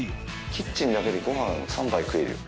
キッチンだけでご飯３杯食えるよ。